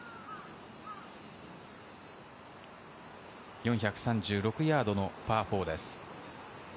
４３６ヤードのパー４です。